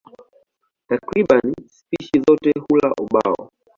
Takriban spishi zote hula ubao.